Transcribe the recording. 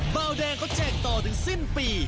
เบาแดงเขาแจกต่อถึงสิ้นปี